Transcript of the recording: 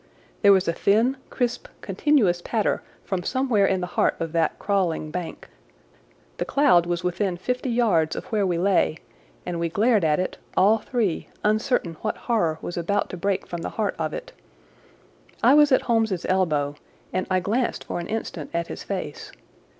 There was a thin, crisp, continuous patter from somewhere in the heart of that crawling bank. The cloud was within fifty yards of where we lay, and we glared at it, all three, uncertain what horror was about to break from the heart of it. I was at Holmes's elbow, and I glanced for an instant at his face.